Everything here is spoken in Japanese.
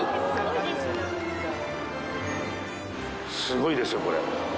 すごいですよこれ。